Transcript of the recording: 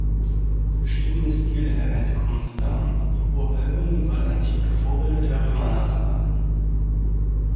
Verschiedene Stilelemente kommen zusammen: Die hohe Wölbung soll antike Vorbilder der Römer nachahmen.